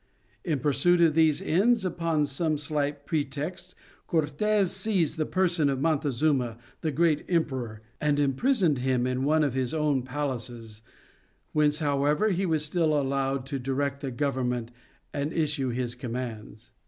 In pursuit of these ends upon some slight pretext Cortes seized the person of Montezuma, the great emperor, and imprisoned him in one of his own palaces whence, however, he was still allowed to direct the government and issue his commands.